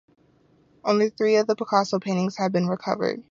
Only three of the Picasso paintings have been recovered.